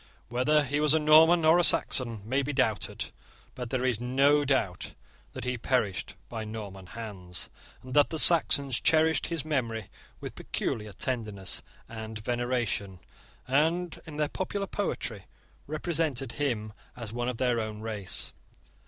Whether he was a Norman or a Saxon may be doubted: but there is no doubt that he perished by Norman hands, and that the Saxons cherished his memory with peculiar tenderness and veneration, and, in their popular poetry, represented him as one of their own race.